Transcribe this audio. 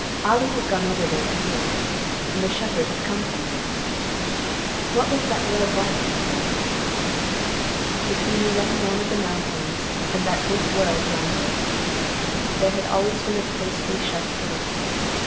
Ollie had gone over there to live, and the shepherd had come from there. What was that world like, he wondered. Between the young man of the mountains and that big world yonder there had always been a closely shut door.